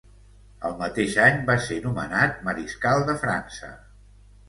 El mateix any va ser nomenat Mariscal de França.